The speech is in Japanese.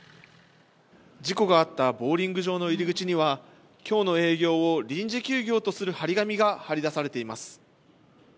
事故があったボウリング場の入り口には、きょうの営業を臨時休業とする貼り紙が張り出されています。